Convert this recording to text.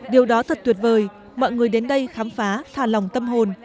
điều đó thật tuyệt vời mọi người đến đây khám phá thả lòng tâm hồn